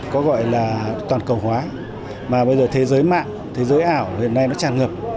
có gọi là toàn cầu hóa mà bây giờ thế giới mạng thế giới ảo hiện nay nó tràn ngập